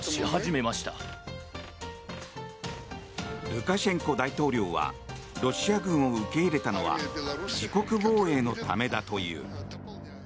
ルカシェンコ大統領はロシア軍を受け入れたのは自国防衛のためだという。